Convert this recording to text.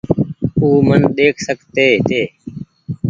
او من ڏي سڪتي هيتي